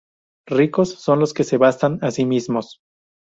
Ricos son los que se bastan a sí mismos.